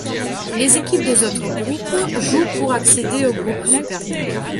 Les équipes des autres groupes jouent pour accéder au groupe supérieur.